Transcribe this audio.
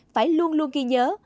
phải luôn luôn ghi nhớ